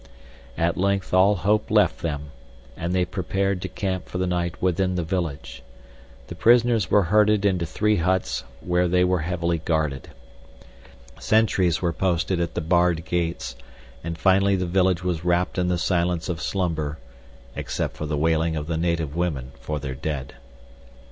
At length all hope left them, and they prepared to camp for the night within the village. The prisoners were herded into three huts where they were heavily guarded. Sentries were posted at the barred gates, and finally the village was wrapped in the silence of slumber, except for the wailing of the native women for their dead.